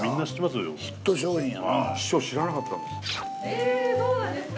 ・ええそうなんですか？